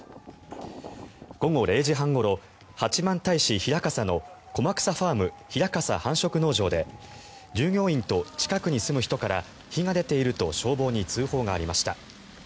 午後０時半ごろ八幡平市平笠のコマクサファーム平笠繁殖農場で従業員と近くに住む人から火が出ていると消防に通報がありました。